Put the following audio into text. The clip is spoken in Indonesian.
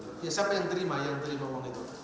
siapa yang terima uang itu